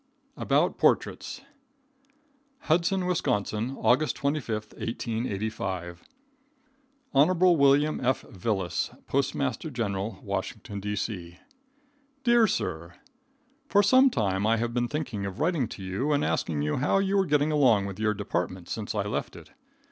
About Portraits. Hudson, Wis., August 25, 1885. Hon. William F. Vilas, Postmaster General, Washington, D.C. Dear Sir, For some time I have been thinking of writing to you and asking you how you were getting along with your department since I left it.